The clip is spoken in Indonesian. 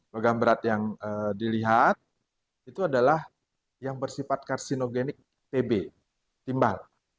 logam berat yang dilihat itu adalah yang bersifat karsinogenik tb timbal